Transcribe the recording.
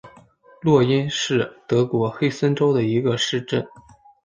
洛因是德国黑森州的一个市镇。